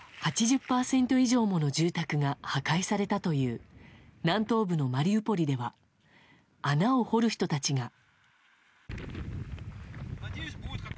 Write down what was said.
８０％以上もの住宅が破壊されたという南東部のマリウポリでは穴を掘る人たちが。